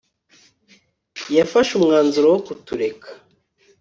yafashe umwanzuro wo kutureka